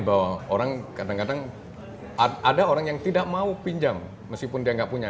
bahwa orang kadang kadang ada orang yang tidak mau pinjam meskipun dia nggak punya